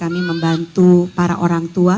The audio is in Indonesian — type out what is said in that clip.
kami membantu para orang tua